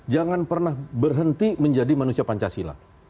jangan pernah berhenti menjadi manusia pancasila